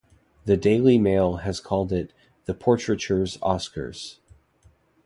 The "Daily Mail" has called it "the portraiture Oscars".